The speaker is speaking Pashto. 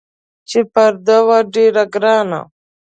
چې پر ده وه ډېره ګرانه